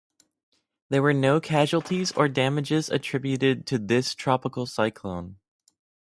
There were no casualties or damages attributed to this tropical cyclone.